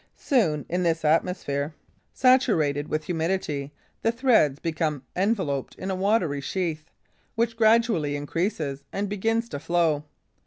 Soon, in this atmosphere saturated with humidity, the threads become enveloped in a watery sheath, which gradually increases and begins to flow.